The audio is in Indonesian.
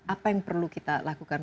apa yang perlu kita lakukan